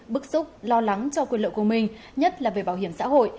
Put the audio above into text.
bức xúc lo lắng cho quyền lợi của mình nhất là về bảo hiểm xã hội